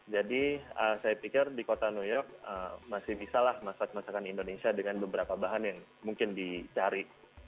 jadi saya pikir di kota new york masih bisa lah masak masakan indonesia dengan beberapa bahan yang mungkin dicari